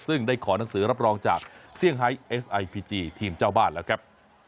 ซึ่งได้ขอหนังสือรับรองจากเซี่ยงไฮเอสไอพีจีทีมเจ้าบ้านแล้วครับ